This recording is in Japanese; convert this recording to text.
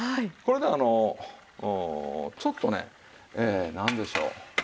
これであのちょっとねなんでしょう？